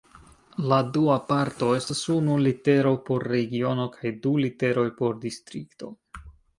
La dua parto estas unu litero por regiono kaj du literoj por distrikto.